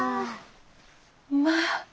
まあ！